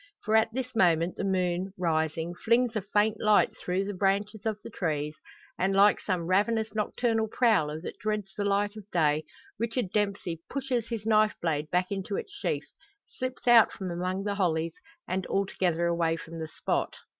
For at this moment the moon, rising, flings a faint light through the branches of the trees; and like some ravenous nocturnal prowler that dreads the light of day, Richard Dempsey pushes his knife blade back into its sheath, slips out from among the hollies, and altogether away from the spot.